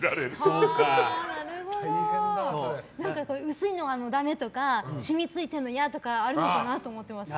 薄いのはダメとかしみついてるの嫌とかあるのかなと思ってました。